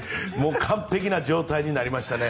完璧な状態になりましたね。